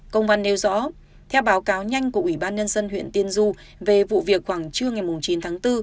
công văn nêu rõ theo báo cáo nhanh của ủy ban nhân dân huyện tiên du về vụ việc khoảng trưa ngày chín tháng bốn